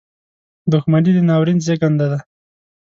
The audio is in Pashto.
• دښمني د ناورین زیږنده ده.